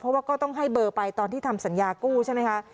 เพราะว่าก็ต้องให้เบอร์ไปตอนที่ทำสัญญากู้ใช่ไหมคะ